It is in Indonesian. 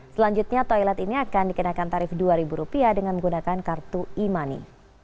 selanjutnya toilet ini akan dikenakan tarif rp dua dengan menggunakan kartu e money